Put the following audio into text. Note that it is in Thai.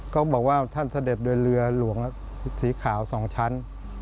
บอกว่าท่านเสด็จโดยเรือหลวงสีขาว๒ชั้น